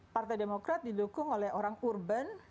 partai demokrat didukung oleh orang urban